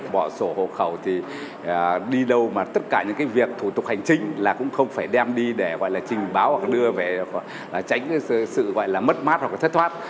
bỏ sổ hộ khẩu thì đi đâu mà tất cả những cái việc thủ tục hành chính là cũng không phải đem đi để gọi là trình báo hoặc đưa về tránh sự gọi là mất mát hoặc là thất thoát